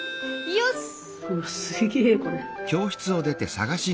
よし！